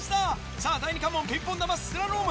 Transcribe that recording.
さぁ第２関門ピンポン球スラローム。